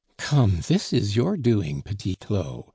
"Come, this is your doing, Petit Claud!"